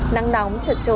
nắng nóng trật trời